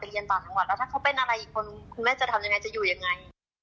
แล้วถ้าเขาเป็นอะไรอีกคนคุณแม่จะทำยังไงจะอยู่ยังไง